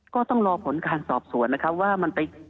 ก็ต้องรอผลการสอบสวนนะครับว่ามันไป